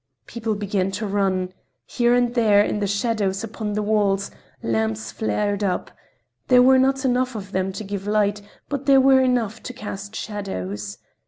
People began to run. Here and there, in the shadows upon the walls, lamps flared up—there were not enough of them to give light, but there were enough to cast shadows.